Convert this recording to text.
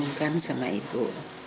jangan sungkan sungkan sama ibu